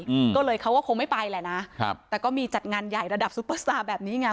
อืมก็เลยเขาก็คงไม่ไปแหละนะครับแต่ก็มีจัดงานใหญ่ระดับซุปเปอร์สตาร์แบบนี้ไง